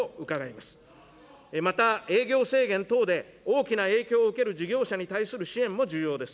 また営業制限等で、大きな影響を受ける事業者に対する支援も重要です。